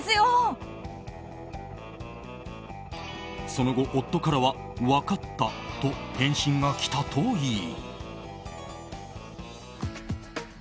その後、夫からは分かったと返信が来たといい。